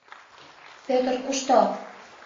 Пӧтыр кушто?